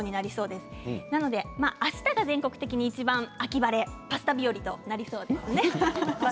ですのであしたが全国的にいちばん秋晴れパスタ日和となりそうです。